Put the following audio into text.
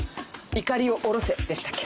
「いかりを下ろせ」でしたっけ？